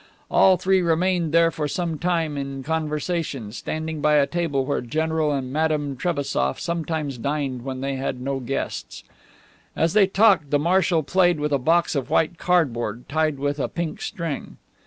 All three remained there for some time in conversation, standing by a table where General and Madame Trebassof sometimes dined when they had no guests. As they talked the marshal played with a box of white cardboard tied with a pink string.